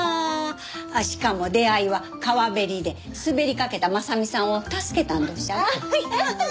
しかも出会いは川べりで滑りかけた真実さんを助けたんどっしゃろ？やだ！